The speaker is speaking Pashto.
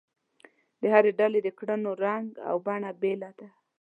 د هرې ډلې د کړنو رنګ او بڼه بېله ده.